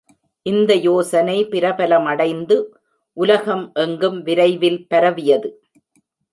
இந்த யோசனை பிரபலமடைந்து உலகம் எங்கும் விரைவில் பரவியது.